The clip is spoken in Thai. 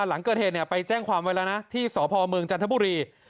หลังเกิดเหตุไปแจ้งความไว้แล้วนะที่สพเมืองจันทบุรี